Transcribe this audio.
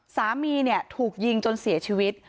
สามีเนี่ยถูกยิงจนเสียชีวิต